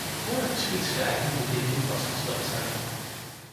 Voor de geschiedschrijving moet dit nu vastgesteld zijn.